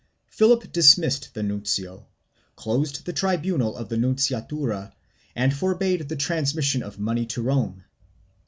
Philip dismissed the nuncio, closed the tribunal of the nunciatura and forbade the transmission of money to Rome.